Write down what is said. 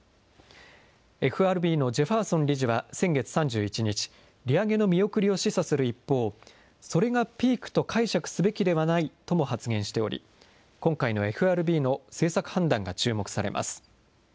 ＦＲＢのジェファーソン理事は先月３１日、利上げの見送りを示唆する一方、それがピークと解釈すべきではないとも発言しており、今回のＦＲＢの政策判断が注目されます。